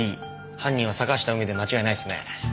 犯人は坂下海で間違いないですね。